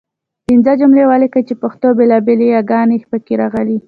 پنځه جملې ولیکئ چې پښتو بېلابېلې یګانې پکې راغلي وي.